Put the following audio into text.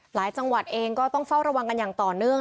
จังหวัดเองก็ต้องเฝ้าระวังกันอย่างต่อเนื่อง